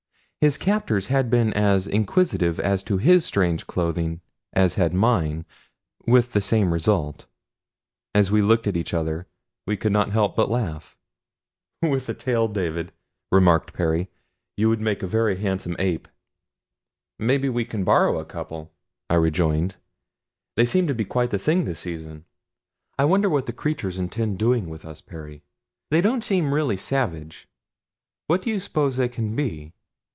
His captors had been as inquisitive as to his strange clothing as had mine, with the same result. As we looked at each other we could not help but laugh. "With a tail, David," remarked Perry, "you would make a very handsome ape." "Maybe we can borrow a couple," I rejoined. "They seem to be quite the thing this season. I wonder what the creatures intend doing with us, Perry. They don't seem really savage. What do you suppose they can be?